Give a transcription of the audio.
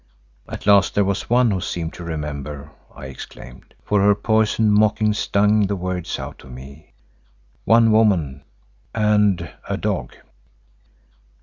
"At least there was one who seemed to remember," I exclaimed, for her poisoned mocking stung the words out of me, "one woman and—a dog."